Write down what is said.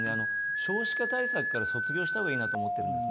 少子化対策から卒業した方がいいなと思っています。